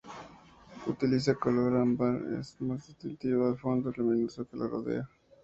Utiliza un color ámbar, que es más distintivo del fondo luminoso que lo rodea.